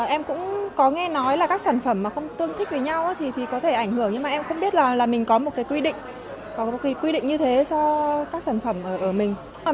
em cũng có nghe nói là các sản phẩm mà không tương thích với nhau thì có thể ảnh hưởng nhưng mà em cũng không biết là mình có một quy định như thế cho các sản phẩm ở mình